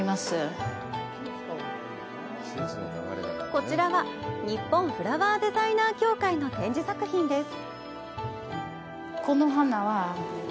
こちらはニッポンフラワーデザイナー協会の展示作品です。